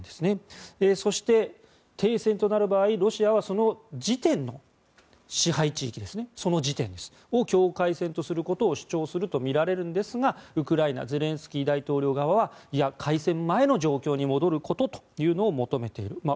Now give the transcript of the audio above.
そして、停戦となる場合ロシアはその時点の支配地域を境界線とすることを主張するとみられるんですがウクライナのゼレンスキー大統領側はいや、開戦前の状況に戻ることを求めている。